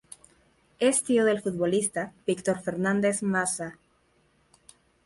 Es tío del futbolista Víctor Fernández Maza.